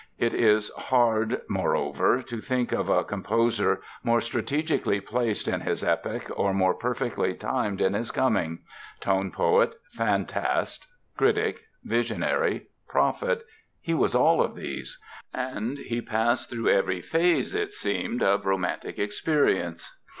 It is hard, moreover, to think of a composer more strategically placed in his epoch or more perfectly timed in his coming. Tone poet, fantast, critic, visionary, prophet—he was all of these! And he passed through every phase, it seemed, of romantic experience.